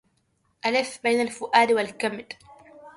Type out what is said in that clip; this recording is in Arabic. ألف بين الفؤاد والكمد